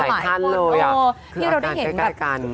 มีหลายขั้นเลยคืออาการใกล้กัน